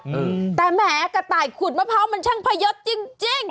อืมแต่แหมกระต่ายขุดมะพร้าวมันช่างพยศจริงจริง